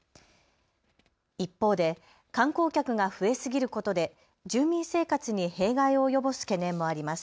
一方で観光客が増えすぎることで住民生活に弊害を及ぼす懸念もあります。